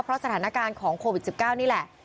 เพราะสถานการณ์ของโควิด๑๙นี่แหละ